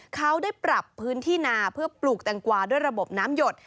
เขาได้ปรับพื้นที่นาเพื่อปลูกแตงกวาด้วยระบบน้ำหยด